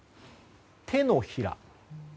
手のひら。